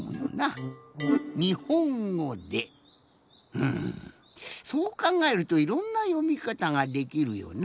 うんそうかんがえるといろんなよみかたができるよな。